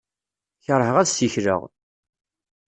Kerheɣ ad ssikleɣ.